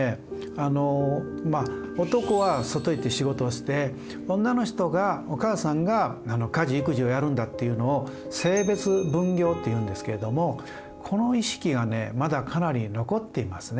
あのまあ男は外行って仕事をして女の人がお母さんが家事・育児をやるんだっていうのを性別分業っていうんですけれどもこの意識がねまだかなり残っていますね。